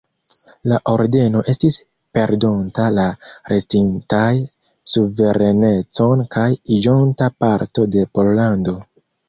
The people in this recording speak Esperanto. La Ordeno estis perdonta la restintan suverenecon kaj iĝonta parto de Pollando.